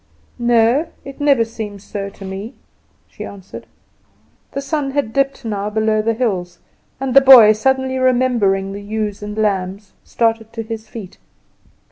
"No, it never seems so to me," she answered. The sun had dipped now below the hills, and the boy, suddenly remembering the ewes and lambs, started to his feet.